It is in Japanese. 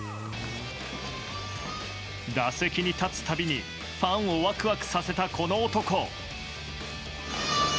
打席に立つたびにファンをワクワクさせたこの男。